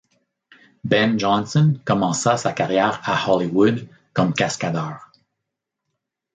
Ben Johnson commença sa carrière à Hollywood comme cascadeur.